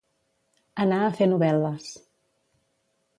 Anar a fer novel·les.